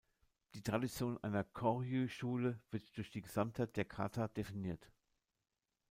Die Tradition einer Koryū-Schule wird durch die Gesamtheit der "Kata" definiert.